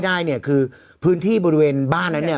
มันได้คือพื้นที่บริเวณบ้าน